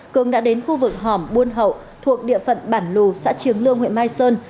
cường đã đến khu vực hòm buôn hậu thuộc địa phận bản lù xã triềng lương huyện mai sơn